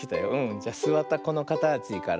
じゃすわったこのかたちから。